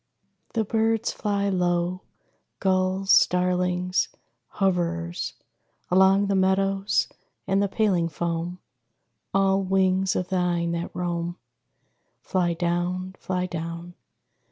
The birds fly low. Gulls, starlings, hoverers, Along the meadows and the paling foam, All wings of thine that roam Fly down, fly down.